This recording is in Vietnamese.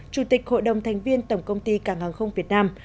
chủ tịch hội đồng thành viên tổng công ty cảng hàng không việt nam